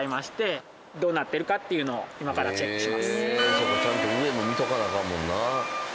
そうかちゃんと上も見とかなアカンもんな。